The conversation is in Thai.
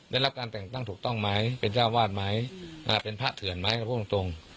ได้รับการแต่งตั้งถูกต้องไหมเป็นเจ้าวาดไหมเป็นพระเถื่อนไหมก็พูดตรง